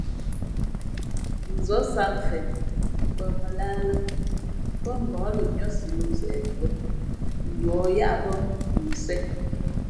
Nzα̌ sǎt mfen mbαmαlahā lά pά mbǎk lα nʉ́ά si lō zeʼê le bα nduα yáʼ bᾱ mʉnsēn.